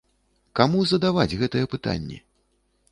Каму задаваць гэтыя пытанні?